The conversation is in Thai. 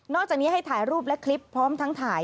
จากนี้ให้ถ่ายรูปและคลิปพร้อมทั้งถ่าย